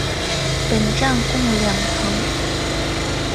本站共两层。